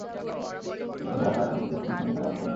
তিনি যা তার সর্বশেষ প্রথম-শ্রেণীর খেলায় অংশগ্রহণ ছিল।